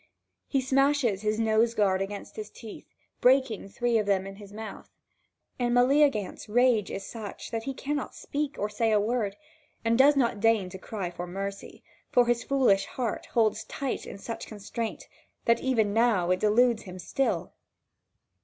He smashes his nose guard against his teeth, breaking three of them in his mouth. And Meleagant's rage is such that he cannot speak or say a word; nor does he deign to cry for mercy, for his foolish heart holds tight in such constraint that even now it deludes him still.